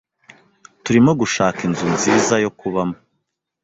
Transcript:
Turimo gushaka inzu nziza yo kubamo.